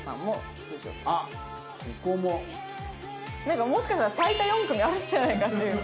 なんかもしかしたら最多４組あるんじゃないかっていう。